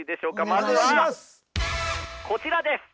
まずはこちらです！